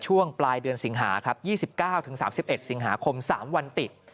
ช่วงปลายเดือนสิงหาครับ๒๙๓๑สิงหาคม๓วันติด